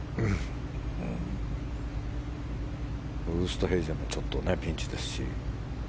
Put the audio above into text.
ウーストヘイゼンもちょっとピンチですし。